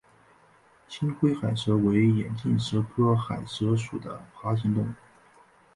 青灰海蛇为眼镜蛇科海蛇属的爬行动物。